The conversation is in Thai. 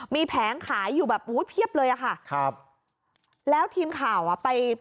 มีแผงขายอยู่แบบอุ้ยเพียบเลยอ่ะค่ะครับแล้วทีมข่าวอ่ะไป